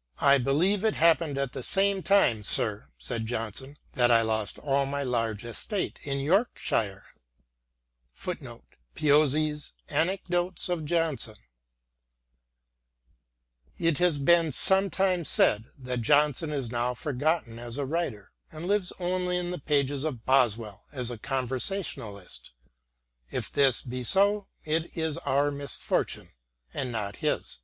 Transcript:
" I believe it happened at the same time, sir," said Johnson, " that I lost all my large estate in Yorkshire." t It has been sometimes said that Johnson is now forgotten as a writer and lives only in the pages of Boswell as a conversationalist ; if this be so it is our misfortune and not his.